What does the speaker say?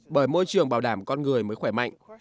bởi môi trường bảo đảm con người mới khỏe mạnh